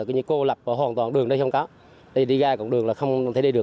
như cô lập hoàn toàn đường đây không có đi ra đường không thể đi được